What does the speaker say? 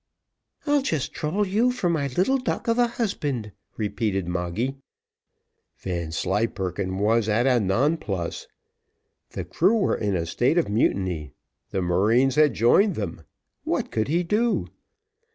"I'll just trouble you for my little duck of a husband," repeated Moggy. Vanslyperken was at a nonplus. The crew were in a state of mutiny, the marines had joined them what could he do?